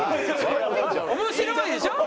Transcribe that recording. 面白いでしょ？